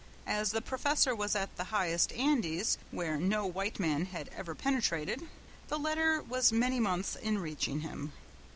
As the Professor was in the highest Andes, where no white man had ever penetrated, the letter was many months in reaching him.